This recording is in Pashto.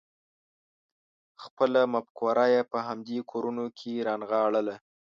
خپله مفکوره یې په همدې کورونو کې رانغاړله.